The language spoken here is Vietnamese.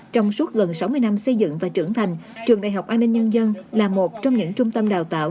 trong suốt gần sáu mươi năm xây dựng và trưởng thành trường đại học an ninh nhân dân là một trong những trung tâm đào tạo